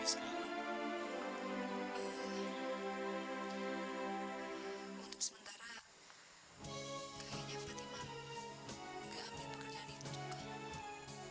terus di rumah sakit tempat saya kerja